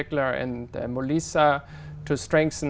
chính phủ việt nam